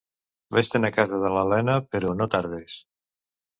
Vés-te'n a casa de l'Elena, però no tardes.